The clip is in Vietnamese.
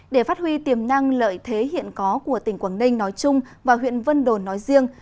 để phát huy tiềm năng lợi thế hiện có của tỉnh quảng ninh nói chung và huyện vân đồn nói riêng